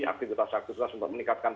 aktivitas aktivitas untuk meningkatkan